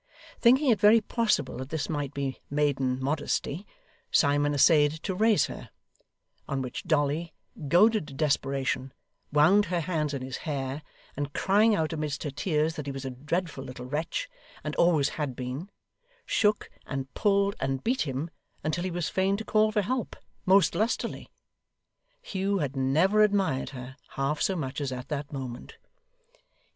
Thinking it very possible that this might be maiden modesty, Simon essayed to raise her; on which Dolly, goaded to desperation, wound her hands in his hair, and crying out amidst her tears that he was a dreadful little wretch, and always had been, shook, and pulled, and beat him, until he was fain to call for help, most lustily. Hugh had never admired her half so much as at that moment.